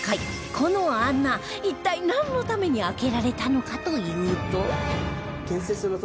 この穴一体なんのために開けられたのかというと